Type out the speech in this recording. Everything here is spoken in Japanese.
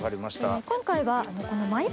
今回はこの。